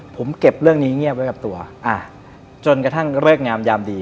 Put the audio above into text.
ผมเก็บเรื่องนี้เงียบไว้กับตัวจนกระทั่งเลิกงามยามดี